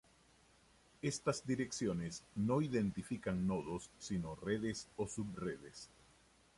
Estas direcciones no identifican nodos sino redes o subredes.